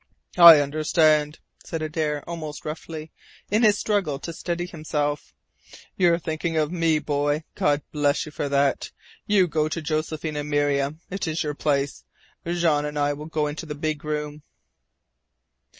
"I understand," said Adare almost roughly, in his struggle to steady himself. "You're thinking of ME, Boy. God bless you for that. You go to Josephine and Miriam. It is your place. Jean and I will go into the big room."